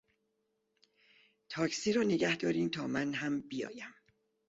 تاکسی را نگهدارید تا من هم بیایم.